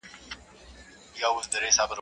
تل دي ښاد وي پر دنیا چي دي دوستان وي.